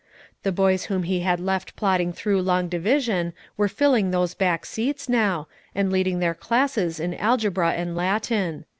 The boys whom he hid left plodding through long division were filling those back seats now, and leading their classes in algebra and Latin.